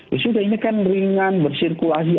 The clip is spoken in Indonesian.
ya sudah ini kan ringan bersirkulasi